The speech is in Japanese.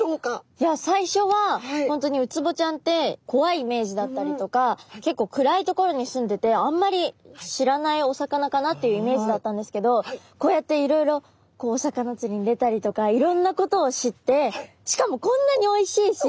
いや最初は本当にウツボちゃんってこわいイメージだったりとか結構暗い所に住んでてあんまり知らないお魚かなっていうイメージだったんですけどこうやっていろいろこうお魚つりに出たりとかいろんなことを知ってしかもこんなにおいしいし。